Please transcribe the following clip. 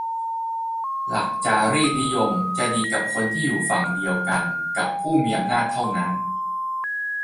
หลักจารีตนิยมจะดีกับคนที่อยู่ฝั่งเดียวกันกับผู้มีอำนาจเท่านั้น